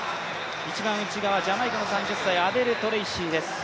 一番内側、ジャマイカの３０歳、アデル・トレイシーです。